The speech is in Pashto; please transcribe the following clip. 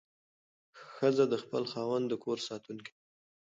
ښځه د خپل خاوند د کور ساتونکې ده.